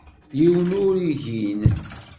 Yiwen ur igin.